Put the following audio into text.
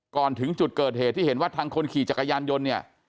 ก่อนถึงจุดเกิดเหตุที่เห็นว่าทางคนขี่จักรยานยนต์เนี่ย